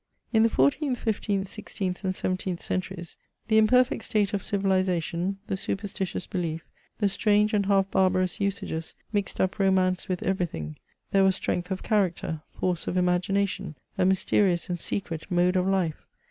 In the 14th, 15th, 16th, and 17th centuries, the imperfect state of civilization, the superstitious belief, the strange and half barbarous usages, mixed up romance with everything ; there was strength of character, force of imagination, a mys terious and secret mode of life.